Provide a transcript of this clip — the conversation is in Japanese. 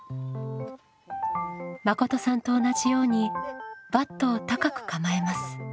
まことさんと同じようにバットを高く構えます。